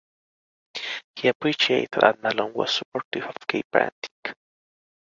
He appreciated that Mallon was supportive of gay parenting.